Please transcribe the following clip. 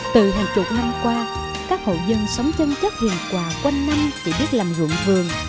từ hàng chục năm qua các hộ dân sống chân chất hiền quả quanh năm chỉ biết làm ruộng vườn